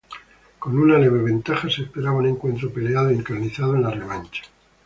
Con una leve ventaja, se esperaba un encuentro peleado y encarnizado en la revancha.